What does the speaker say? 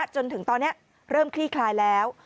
จนถึงตอนนี้เริ่มคลี่คลายแล้ว